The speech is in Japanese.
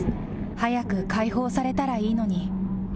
早く開放されたらいいのに。